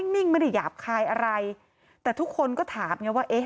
นิ่งไม่ได้หยาบคายอะไรแต่ทุกคนก็ถามไงว่าเอ๊ะ